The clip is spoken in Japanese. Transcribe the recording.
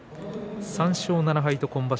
３勝７敗と今場所